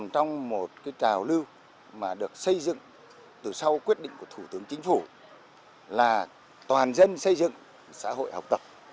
từ sau quyết định của thủ tướng chính phủ là toàn dân xây dựng xã hội học tập